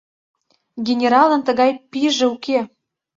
— Генералын тыгай пийже уке.